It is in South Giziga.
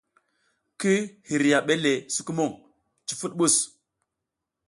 Ki hiriya ɓe le sukumuƞ, cufuɗ mɓus.